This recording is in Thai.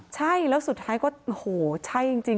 ใช่แล้วสุดท้ายก็โหใช่จริง